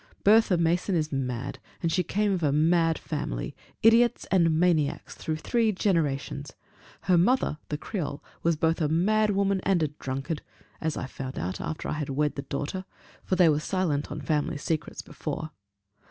Bertha Mason is mad; and she came of a mad family idiots and maniacs through three generations! Her mother, the Creole, was both a mad woman and a drunkard! as I found out after I had wed the daughter; for they were silent on family secrets before.